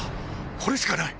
これしかない！